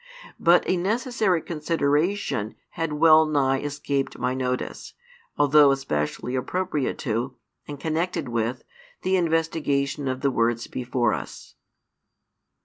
But a necessary consideration had well nigh escaped my notice, although especially appropriate to, and connected with, the investigation of the words before us.